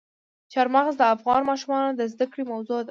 چار مغز د افغان ماشومانو د زده کړې موضوع ده.